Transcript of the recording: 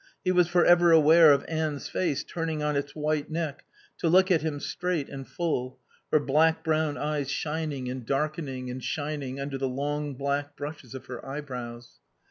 He was for ever aware of Anne's face turning on its white neck to look at him straight and full, her black brown eyes shining and darkening and shining under the long black brushes of her eyebrows.